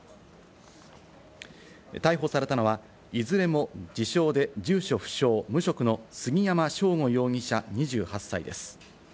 逮捕されたのは、いずれも自称で住所不詳、無職の杉山翔吾容疑者、２８歳です。